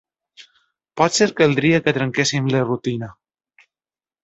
Potser caldria que trenquéssem la rutina.